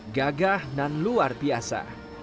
gagah dan luar biasa